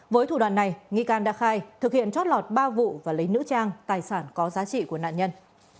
với thủ đoàn này nghi can đã khai thực hiện trót lọt ba vụ và lấy nữ trang tài sản có giá trị của nạn nhân